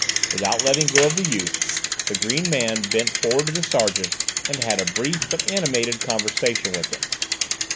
Without letting go of the youth, the green man bent forward to the sergeant and had a brief but animated conversation with him.